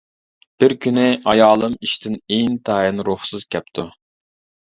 بىر كۈنى ئايالىم ئىشتىن ئىنتايىن روھسىز كەپتۇ.